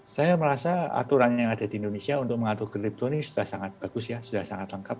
saya merasa aturan yang ada di indonesia untuk mengatur kripto ini sudah sangat bagus ya sudah sangat lengkap